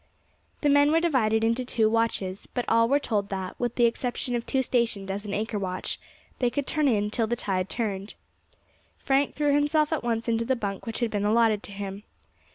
The men were divided into two watches, but all were told that, with the exception of two stationed as an anchor watch, they could turn in till tide turned. Frank threw himself at once into the bunk which had been allotted to him.